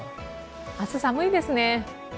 明日、寒いですね。